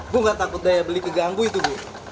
bu nggak takut daya beli keganggu itu bu